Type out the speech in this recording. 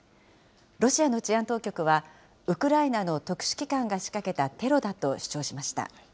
ロシアの治安当局は、ウクライナの特殊機関が仕掛けたテロだと主張しました。